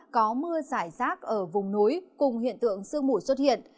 có mưa sải sác ở vùng núi cùng hiện tượng sương mùi xuất hiện